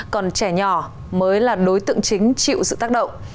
còn trẻ nhỏ mới là đối tượng chính chịu sự tác động